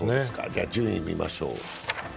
じゃあ順位を見ましょう。